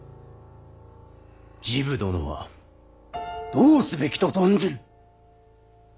治部殿はどうすべきと存ずる。